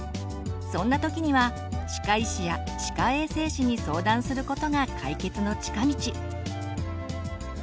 そんな時には歯科医師や歯科衛生士に相談することが解決の近道。